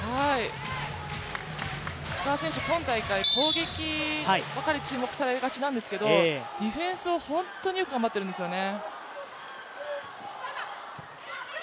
石川選手、今大会攻撃ばかり注目されがちなんですけどディフェンスを本当によく頑張ってるんですよね。